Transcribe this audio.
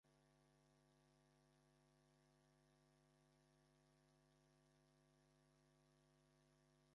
After serving one term as governor, James resumed his law practice.